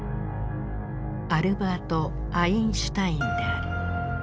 アルバート・アインシュタインである。